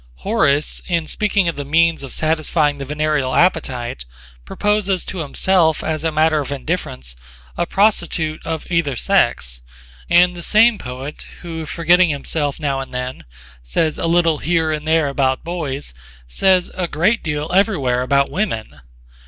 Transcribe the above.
Horace, in speaking of the means of satisfying the venereal appetite, proposes to himself as a matter of indifference a prostitute of either sex: and the same poet, who forgetting himself now and then says a little here and there about boys, says a great deal everywhere about women.